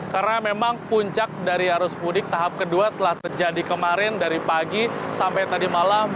karena memang puncak dari arus mudik tahap kedua telah terjadi kemarin dari pagi sampai tadi malam